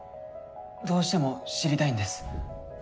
どうしても知りたいんです。